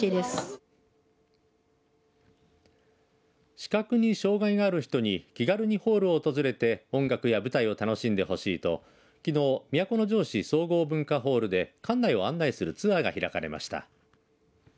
視覚に障害がある人に気軽にホールを訪れて音楽や舞台を楽しんでほしいときのう、都城市総合文化ホールで館内を案内するツアーが開かれました。